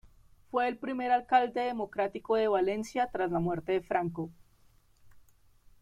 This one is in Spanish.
Fue el primer alcalde democrático de Valencia tras la muerte de Franco.